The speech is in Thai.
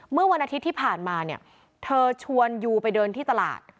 เมื่อวันอาทิตย์ที่ผ่านมาเนี่ยเธอชวนยูไปเดินที่ตลาด